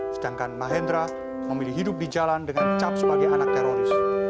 sedangkan mahendra memilih hidup di jalan dengan dicap sebagai anak teroris